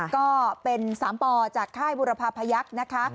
ก็เป็น๓ปจากค่ายบุรพาพยักษ์นะคะ